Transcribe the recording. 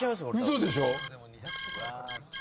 嘘でしょ？